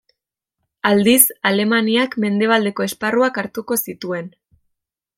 Aldiz, Alemaniak, mendebaldeko esparruak hartuko zituen.